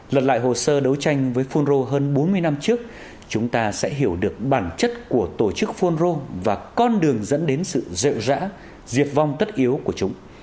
lật lại hồ sơ đấu tranh với phunro hơn bốn mươi năm trước chúng ta sẽ hiểu được bản chất của tổ chức phunro và con đường dẫn đến sự rệu rã diệt vong tất yếu của chúng